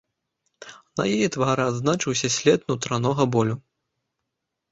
На яе твары адзначыўся след нутранога болю.